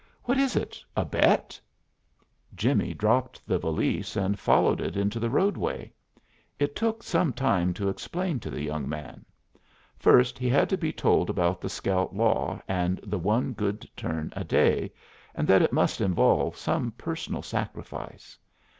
"What is it a bet?" Jimmie dropped the valise and followed it into the roadway. It took some time to explain to the young man. First, he had to be told about the scout law and the one good turn a day, and that it must involve some personal sacrifice.